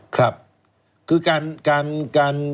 ครับคือการ